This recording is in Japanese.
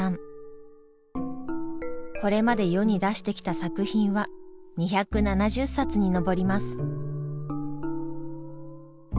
これまで世に出してきた作品は２７０冊に上ります。